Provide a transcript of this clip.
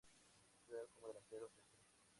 Juega como delantero centro.